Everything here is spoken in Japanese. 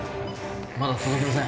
まだ届きません。